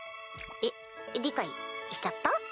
えっ理解しちゃった？